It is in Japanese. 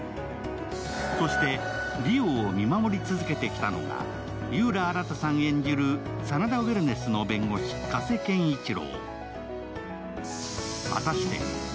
そして梨央を見守り続けてきたのが、井浦新さん演じる真田ウェルネスの弁護士、加瀬賢一郎。